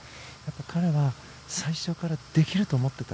彼は最初からできると思っていた。